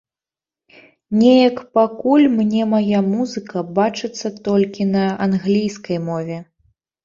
Неяк пакуль мне мая музыка бачыцца толькі на англійскай мове.